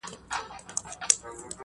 ډير په ارزانه ې درنه اخلي خونړی انقلاب